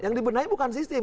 yang dibenahi bukan sistem